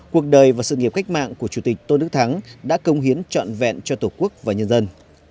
cuộc đời và sự nghiệp cách mạng của chủ tịch tôn đức thắng đã công hiến trọn vẹn cho tổ quốc và nhân dân